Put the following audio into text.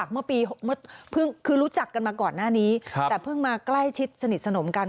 คือรู้จักกันมาก่อนหน้านี้แต่เพิ่งมาใกล้ชิดสนิทสนมกัน